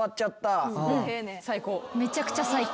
めちゃくちゃ最高。